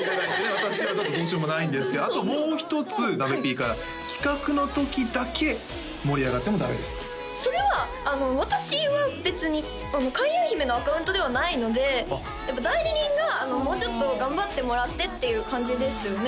私はどうしようもないんですがあともう一つなべＰから「企画の時だけ盛り上がってもダメです」とそれは私は別に開運姫のアカウントではないのでやっぱ代理人がもうちょっと頑張ってもらってっていう感じですよね